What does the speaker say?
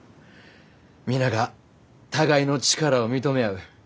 皆が互いの力を認め合う。